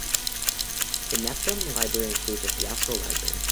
The Netpbm library includes a Fiasco library.